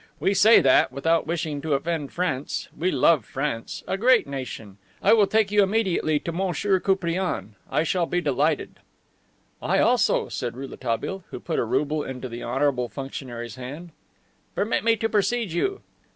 We say that without wishing to offend France. We love France. A great nation! I will take you immediately to M. Koupriane. I shall be delighted." "I also," said Rouletabille, who put a rouble into the honorable functionary's hand. "Permit me to precede you."